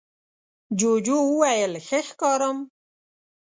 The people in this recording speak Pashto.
جوجو وویل ښه ښکارم؟